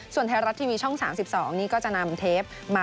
ส่วนไทยรัฐทีวีช่อง๓๒นี่ก็จะนำเทปมา